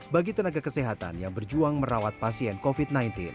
bagi tenaga kesehatan yang berjuang merawat pasien covid sembilan belas